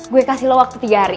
gue kasih loh waktu tiga hari